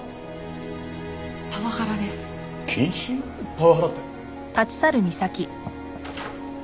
パワハラって。